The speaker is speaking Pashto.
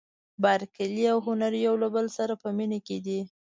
بارکلي او هنري یو له بل سره په مینه کې دي.